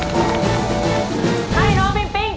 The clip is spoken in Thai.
๕๐คะแนน